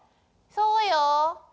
そうよ。